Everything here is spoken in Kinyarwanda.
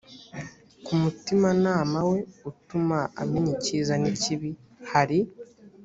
ku mutimanama we utuma amenya ikiza n ikibi hari